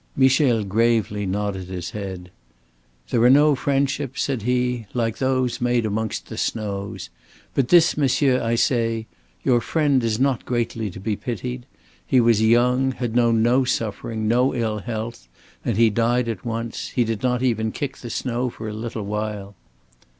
Michel gravely nodded his head. "There are no friendships," said he, "like those made amongst the snows. But this, monsieur, I say: Your friend is not greatly to be pitied. He was young, had known no suffering, no ill health, and he died at once. He did not even kick the snow for a little while."